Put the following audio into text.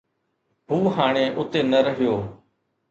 هو هاڻي اتي نه رهيو.